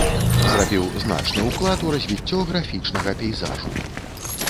Зрабіў значны ўклад у развіццё графічнага пейзажу.